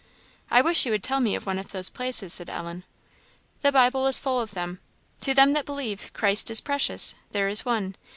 "I wish you would tell me of one of those places," said Ellen. "The Bible is full of them. 'To them that believe Christ is precious,' there is one.